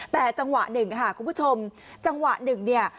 แต่จังหวะหนึ่งค่ะคุณผู้ชมจังหวะหนึ่งเนี่ย